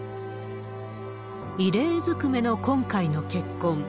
異例ずくめの今回の結婚。